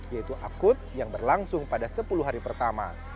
yaitu akut yang berlangsung pada sepuluh hari pertama